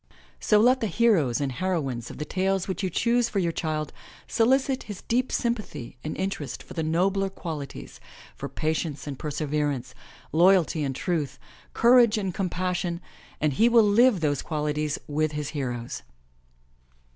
So let the heroes and heroines of the tales which you choose for your child solicit his deep sympathy and interest for the nobler qualities, for patience and perseverance, loyalty and truth, cour age and compassion, and he will live those qualities with his heroes.